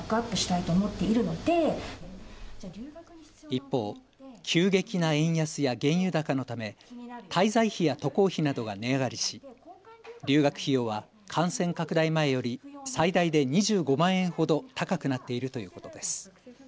一方、急激な円安や原油高のため滞在費や渡航費などが値上がりし留学費用は感染拡大前より最大で２５万円ほど高くなっているということです。